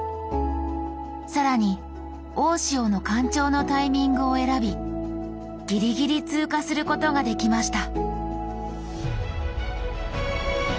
更に大潮の干潮のタイミングを選びギリギリ通過することができました